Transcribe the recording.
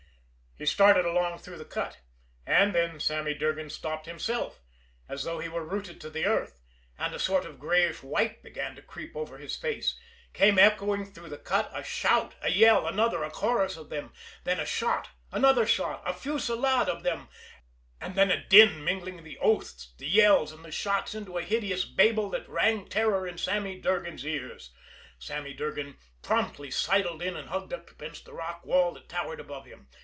He started along through the cut. And then Sammy Durgan stopped himself as though he were rooted to the earth and a sort of grayish white began to creep over his face. Came echoing through the cut a shout, a yell, another, a chorus of them then a shot, another shot, a fusilade of them and then a din mingling the oaths, the yells, and the shots into a hideous babel that rang terror in Sammy Durgan's ears. Sammy Durgan promptly sidled in and hugged up against the rock wall that towered above him.